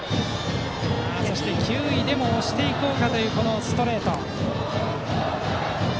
球威でも押していこうかというストレート。